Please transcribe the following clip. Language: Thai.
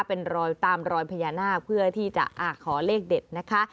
เป็นรอยตามรอยพญานาคเพื่อที่จะขอเลขเด็ดนะคะ